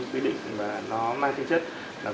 quy định mà nó mang tính chất